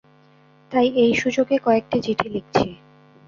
তাই এই সুযোগে কয়েকটি চিঠি লিখছি।